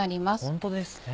ホントですね。